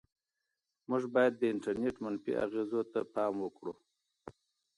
موږ باید د انټرنيټ منفي اغېزو ته پام وکړو.